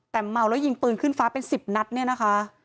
แต่เมาแล้วยิงปืนขึ้นฟ้าเป็น๑๐นัดเนี่ยนะคะ